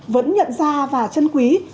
vẫn nhận ra và chân quý